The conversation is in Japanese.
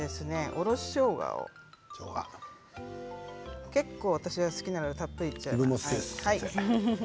おろししょうがを結構、私は好きなのでたっぷりいっちゃいます。